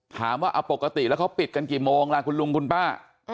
ถามว่าเอาปกติแล้วเขาปิดกันกี่โมงล่ะคุณลุงคุณป้า